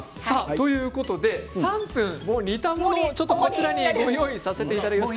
３分煮たものをこちらにご用意させていただきました。